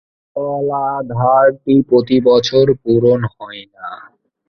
জলাধারটি প্রতি বছর পূরণ হয় না।